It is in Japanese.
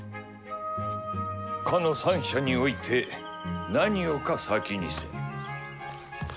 「斯の三者に於いて何をか先にせん」。